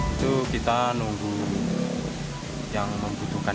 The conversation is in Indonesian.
itu kita nunggu yang membutuhkan